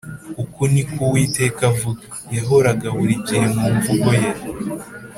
‘Uku niko Uwiteka avuga,’’ yahoraga buri gihe mu mvugo ye